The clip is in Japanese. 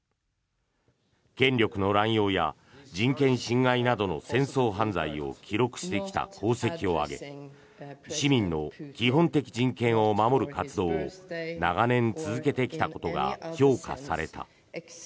権力の乱用や人権侵害などの戦争犯罪を記録してきた功績を挙げ市民の基本的人権を守る活動を長年続けてきたことが評価された。